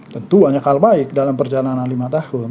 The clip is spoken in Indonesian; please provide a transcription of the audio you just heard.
tentu banyak hal baik dalam perjalanan lima tahun